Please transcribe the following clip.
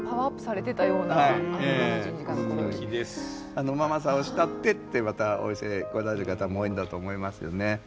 あのママさんを慕ってってまたお店へ来られる方も多いんだと思いますよね。